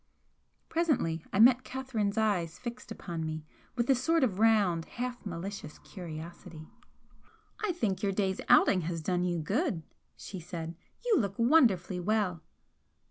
Presently I met Catherine's eyes fixed upon me with a sort of round, half malicious curiosity. "I think your day's outing has done you good," she said "You look wonderfully well!"